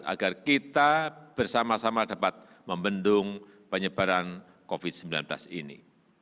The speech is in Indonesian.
agar kita bersama sama dapat membendung penyebaran covid sembilan belas ini